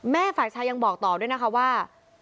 ฝ่ายชายยังบอกต่อด้วยนะคะว่า